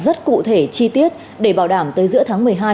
rất cụ thể chi tiết để bảo đảm tới giữa tháng một mươi hai